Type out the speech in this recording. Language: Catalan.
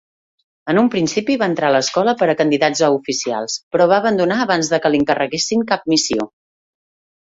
En un principi va entrar a l'Escola per a candidats a Oficials, però va abandonar abans que li encarreguessin cap missió.